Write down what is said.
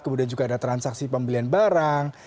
kemudian juga ada transaksi pembelian barang